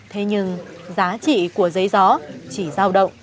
thế nhưng giá trị của giấy gió chỉ giao động